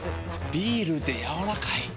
ビールでやわらかい。